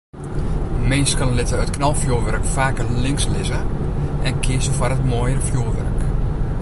Minsken litte it knalfjoerwurk faker links lizze en kieze foar it moaiere fjoerwurk.